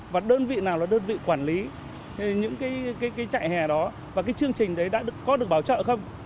và đơn vị nào là đơn vị quản lý những cái chạy hè đó và cái chương trình đấy đã có được bảo trợ không